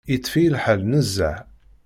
Yeṭṭef-iyi lḥal nezzeh.